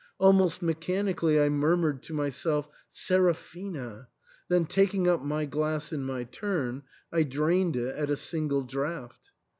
Almost mechanically I murmured to myself, Seraphina !" then taking up my glass in my turn, I drained it at a single draught.